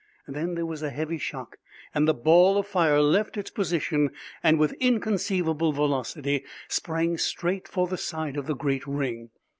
Then there was a heavy shock and the ball of fire left its position and, with inconceivable velocity, sprang straight for the side of the great ring.